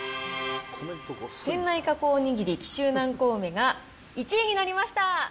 店内加工おにぎり紀州南高梅が１位になりました。